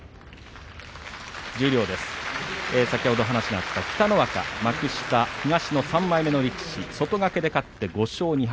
先ほど話があった北の若幕下東の３枚外掛けで勝って５勝２敗